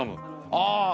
ああ！